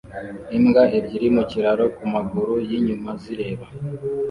Imbwa ebyiri mu kiraro ku maguru yinyuma zireba